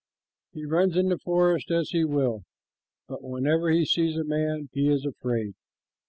He runs in the forest as he will, but whenever he sees a man, he is afraid.